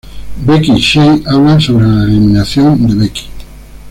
Becky y Shay hablan sobre la eliminación de Becky.